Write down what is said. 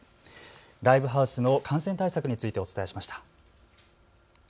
ライブハウスの感染対策についてお伝えしました。